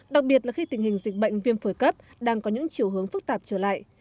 đặc biệt là khi tình hình dịch bệnh viêm phổi cấp đang có những chiều hướng phức tạp trở lại